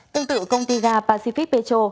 tương tự công ty ga pacific petro